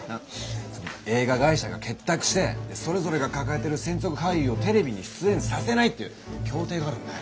映画会社が結託してそれぞれが抱えてる専属俳優をテレビに出演させないっていう協定があるんだよ。